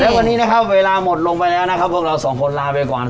และวันนี้นะครับเวลาหมดลงไปแล้วนะครับพวกเราสองคนลาไปก่อน